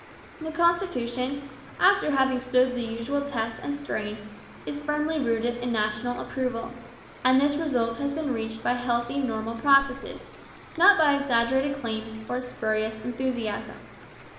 The constitution, after having stood the usual tests and strain, is firmly rooted in national approval; and this result has been reached by healthy normal processes, not by exaggerated claims or a spurious enthusiasm.